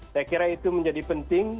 saya kira itu menjadi penting